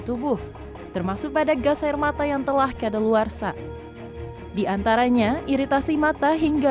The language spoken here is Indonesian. tubuh termasuk pada gas air mata yang telah kadaluarsa diantaranya iritasi mata hingga